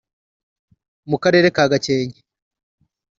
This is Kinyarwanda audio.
mu Karere ka Gakenke